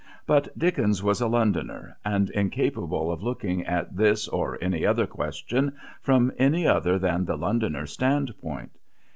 But Dickens was a Londoner, and incapable of looking at this or any other question from any other than the Londoner's standpoint.